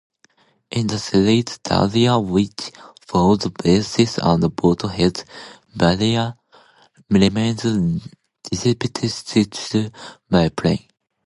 In the series "Daria" which followed "Beavis and Butt-head", Daria remains bespectacled and plain.